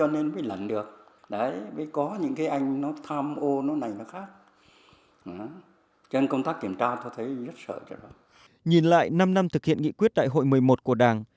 nhìn lại năm năm thực hiện nghị quyết đại hội một mươi một của đảng